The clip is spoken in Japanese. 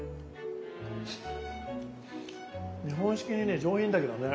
日本式にね上品だけどね。